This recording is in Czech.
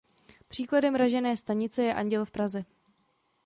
Příkladem ražené stanice je Anděl v Praze.